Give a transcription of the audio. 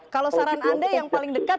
kalau saran anda yang paling dekat